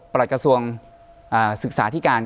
ปรัสกระทรวงสึกษาธิการ